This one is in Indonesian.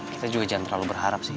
kita juga jangan terlalu berharap sih